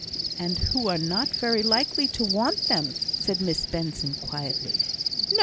"And who are not very likely to want them," said Miss Benson, quietly. "No!